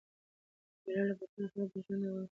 د مېلو له برکته خلک د ګډ ژوند او تفاهم درسونه زده کوي.